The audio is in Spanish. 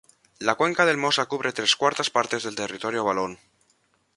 La cuenca del Mosa cubre tres cuartas partes del territorio valón.